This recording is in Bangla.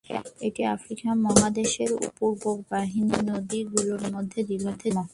এটি আফ্রিকা মহাদেশের পূর্ব বাহিনী নদী গুলির মধ্যে দীর্ঘতম।